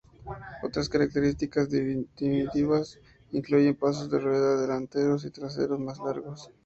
Otras características distintivas incluyen pasos de rueda delanteros y traseros más largos.